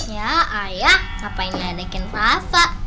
ya ayah ngapain ada rafa